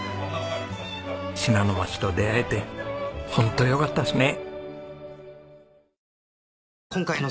信濃町と出会えてホントよかったですね。